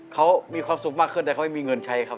เขามีความสุขมากขึ้นแต่เขาไม่มีเงินใช้ครับ